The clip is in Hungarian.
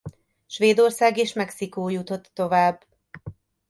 Svédország és Mexikó jutott tovább.